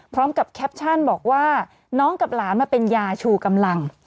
พร้อมกับแคปชั่นบอกว่าน้องกับหลานมาเป็นยาชูกำลัง